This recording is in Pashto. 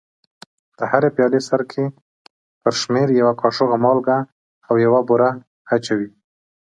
د هرې پیالې سرکې پر شمېر یوه کاشوغه مالګه او یوه بوره اچوي.